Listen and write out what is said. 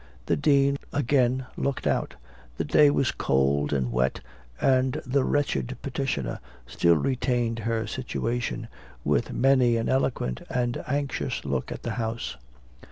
The dean again looked out. The day was cold and wet, and the wretched petitioner still retained her situation, with many an eloquent and anxious look at the house.